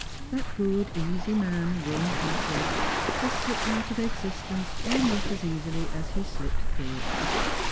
That good easy man, Wilmot Luttrell, has slipped out of existence almost as easily as he slipped through it.